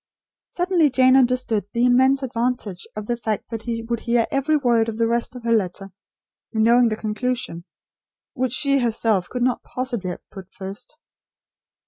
Suddenly Jane understood the immense advantage of the fact that he would hear every word of the rest of her letter, knowing the conclusion, which she herself could not possibly have put first.